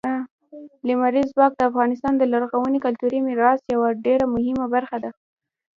لمریز ځواک د افغانستان د لرغوني کلتوري میراث یوه ډېره مهمه برخه ده.